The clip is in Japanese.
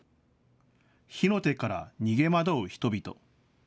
火の手から逃げ惑う人々。